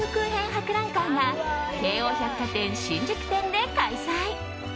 博覧会が京王百貨店新宿店で開催。